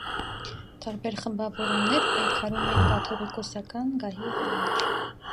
Տարբեր խմբավորումներ պայքարում էին կաթողիկոսական գահի համար։